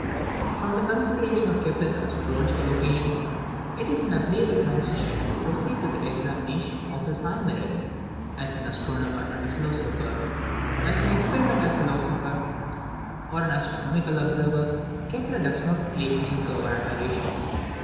From the consideration of Kepler's astrological opinions, it is an agreeable transition to proceed to the examination of his high merits as an astronomer and a philosopher. As an experimental philosopher, or as an astronomical observer, Kepler does not lay claim to our admiration.